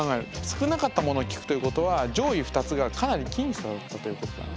少なかったものを聞くということは上位２つがかなり僅差だったということだな。